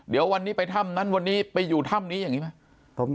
เดี๋ยววันนี้ไปถ้ำนั้นวันนี้ไปอยู่ถ้ำนี้อย่างนี้ไหม